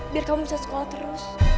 biar kamu bisa sekolah terus